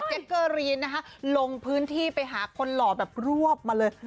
แจ๊กเกอร์รีนนะลงพื้นที่มาหาคนหล่อลาบแบบลวบมาเลย